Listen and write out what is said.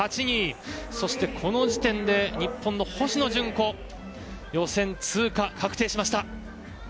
この時点で日本の星野純子予選通過確定しました。